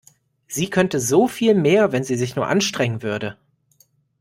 Sie könnte so viel mehr, wenn sie sich nur anstrengen würde.